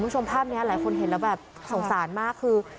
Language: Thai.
คุณผู้ชมภาพนี้หลายคนเห็นแล้วแบบสงสารมากคือ